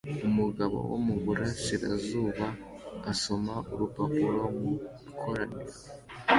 Umugabo wo mu burasirazuba asoma urupapuro mu ikoraniro